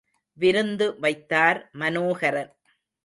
விருந்து வைத்தார் மனோகரன்.